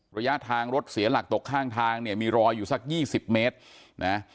ระยะทางรถเสียหลักตกข้างทางเนี่ยมีรอยอยู่สัก๒๐เมตรนะ